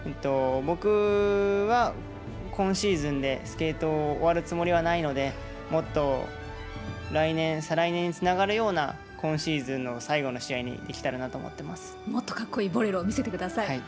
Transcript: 僕は、今シーズンでスケートを終わるつもりはないので、もっと来年、再来年につながるような今シーズンの最後の試合にできたらなと思もっとかっこいいボレロを見せてください。